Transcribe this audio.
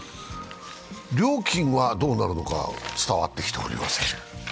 料金はどうなるのか、伝わってきておりません。